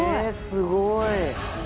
すごい。